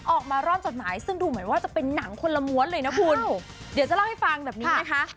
ออกมาร่อนจดหมายซึ่งดูเหมือนว่าจะเป็นหนังคนละม้วนเลยนะคุณเดี๋ยวจะเล่าให้ฟังแบบนี้นะคะ